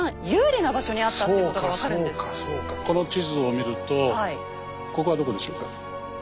この地図を見るとここはどこでしょうか？